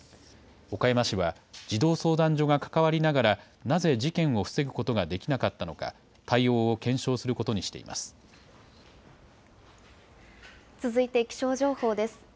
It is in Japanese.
岡山市は、児童相談所が関わりながら、なぜ事件を防ぐことができなかったのか、対応を検証するこ続いて、気象情報です。